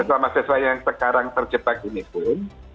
masa masa yang sekarang terjebak ini pun